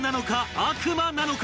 悪魔なのか？